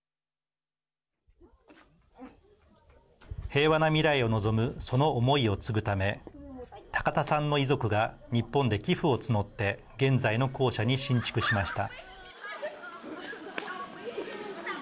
平和な未来を望むその思いを継ぐため高田さんの遺族が日本で寄付を募って現在の校舎に新築しました。